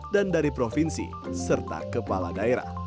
dan dari provinsi serta kepala daerah